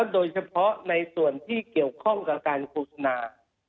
โดยเฉพาะในส่วนที่เกี่ยวข้องกับการโฆษณา